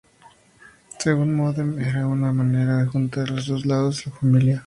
Según Medem, era una manera de juntar los dos lados de su familia.